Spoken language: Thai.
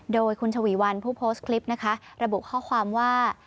โดยคุณฉวีวันผู้โพสต์คลิปนะคะระบุข้อความว่า